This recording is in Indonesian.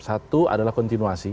satu adalah kontinuasi